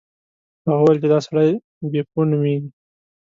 هغه وویل چې دا سړی بیپو نومیږي.